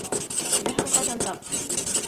Теләһәң ҡайҙан тап!